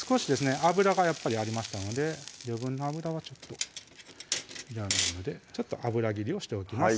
油がやっぱりありましたので余分な油はちょっといらないので油切りをしておきます